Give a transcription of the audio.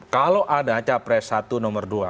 kalau ada capres satu nomor dua